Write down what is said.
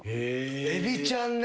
エビちゃんね。